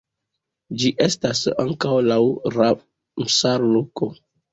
Ĝi estas ankaŭ laŭ Ramsar-loko.